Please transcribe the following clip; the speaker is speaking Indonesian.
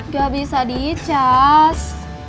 gak bisa di cas